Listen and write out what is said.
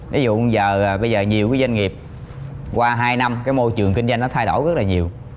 ví dụ giờ bây giờ nhiều cái doanh nghiệp qua hai năm cái môi trường kinh doanh nó thay đổi rất là nhiều